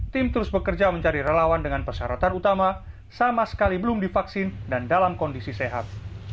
tim terus bekerja mencari relawan dengan persyaratan utama sama sekali belum divaksin dan dalam kondisi sehat